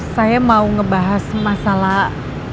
saya mau membahas masalah